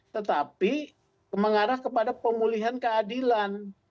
tetapi mengarah kepada pemulihan keadilan